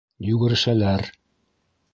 - Йүгерешәләр.